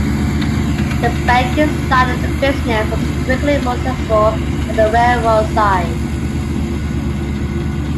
The banking side of the business was quickly more successful than the railroad side.